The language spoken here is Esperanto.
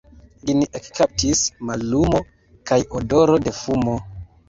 Lin ekkaptis mallumo kaj odoro de fumo.